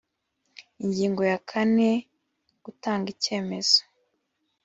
ingingo ya kane gutanga icyemezo